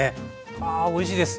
あおいしいです。